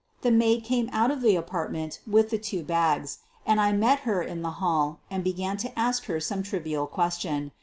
The maid came out of the apartment with the two bags, and I met her in the hall and began to ask her some trivial question.